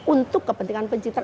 untuk kepentingan pencipta